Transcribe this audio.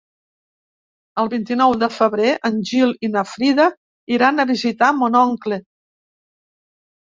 El vint-i-nou de febrer en Gil i na Frida iran a visitar mon oncle.